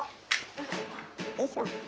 よいしょ。